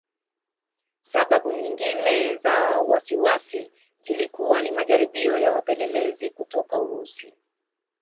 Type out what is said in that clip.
Sababu nyingine za wasiwasi zilikuwa ni majaribio ya wapelelezi kutoka Urusi